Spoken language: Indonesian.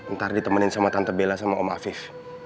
ntar ditemenin sama tante bela sama om afif